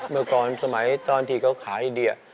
เมื่อก่อนตอนที่เขาขายเด็ก